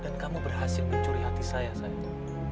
dan kamu berhasil mencuri hati saya sayang